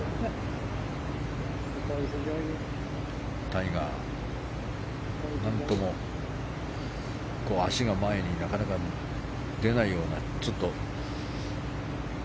タイガー、何とも足が前になかなか出ないようなちょっと。